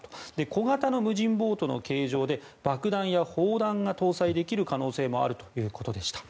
小型の無人ボートの形状で爆弾や砲弾が搭載できる可能性もあるということでした。